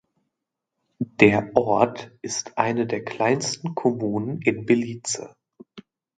Der Ort ist eine der kleinsten Kommunen in Belize.